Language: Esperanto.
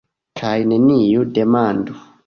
Kaj neniu demandu.